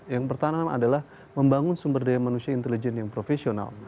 yang pertama adalah membangun sumber daya manusia intelijen yang profesional